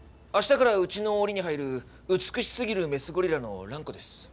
明日からうちの檻に入る美しすぎるメスゴリラのランコです。